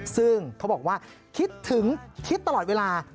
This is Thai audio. ซึ่งเขาบอกว่าคิดถึงคิดตลอดเวลา